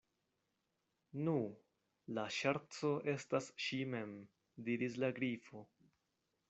"Nu, la ŝerco estas ŝi mem," diris la Grifo.